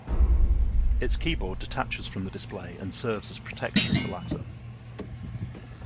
Its keyboard detaches from the display and serves as protection of the latter.